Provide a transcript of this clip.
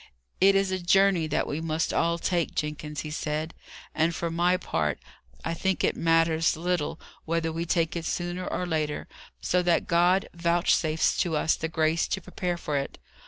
'It is a journey that we must all take, Jenkins,' he said; 'and for my part, I think it matters little whether we take it sooner or later, so that God vouchsafes to us the grace to prepare for it.